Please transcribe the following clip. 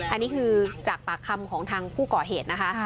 อันนี้คือจากปากคำของทางผู้ก่อเหตุนะคะ